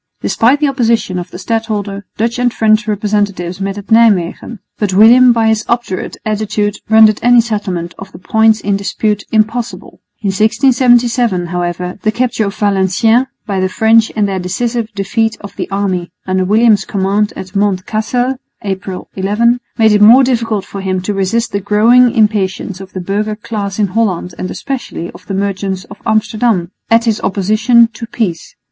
Despite the opposition of the stadholder, Dutch and French representatives met at Nijmwegen; but William by his obdurate attitude rendered any settlement of the points in dispute impossible. In 1677, however, the capture of Valenciennes by the French and their decisive defeat of the allied army under William's command at Mont Cassel (April 11) made it more difficult for him to resist the growing impatience of the burgher class in Holland and especially of the merchants of Amsterdam at his opposition to peace.